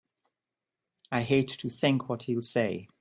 I hate to think what he'll say!